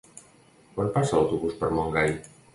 Quan passa l'autobús per Montgai?